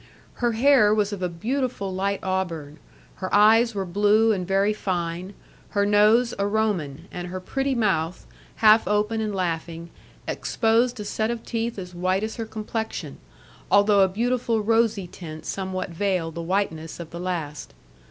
Her hair was of a beautiful light auburn, her eyes were blue and very fine, her nose a Roman, and her pretty mouth, half open and laughing, exposed a set of teeth as white as her complexion, although a beautiful rosy tint somewhat veiled the whiteness of the last.